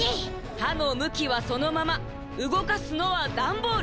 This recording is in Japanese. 「はのむきはそのままうごかすのはダンボール」！